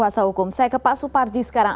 saya ke pak suparji sekarang